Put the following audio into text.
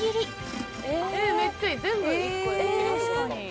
めっちゃいい。